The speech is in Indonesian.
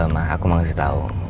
ma aku mau kasih tau